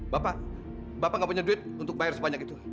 bapak bapak nggak punya duit untuk bayar sebanyak itu